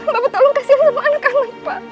bapak tolong kasihan semua anak anak pak